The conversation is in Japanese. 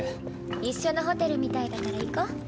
一緒のホテルみたいだから行こ。